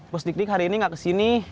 pos dik dik hari ini gak kesini